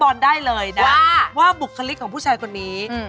โอเคโอเค